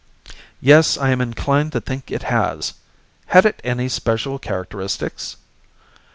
"Yes. I am inclined to think it has. Had it any special characteristics?"